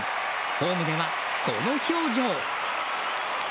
ホームでは、この表情。